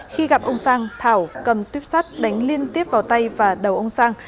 khi gặp ông sang thảo cầm tuyếp sắt đánh liên tiếp vào tay và đầu ông sang